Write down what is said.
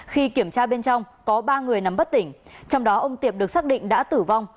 khi kiểm tra bên trong có ba người nắm bất tỉnh trong đó ông tiệp được xác định đã tử vong